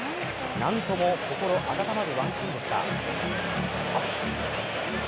なんとも心温まるワンシーンでした。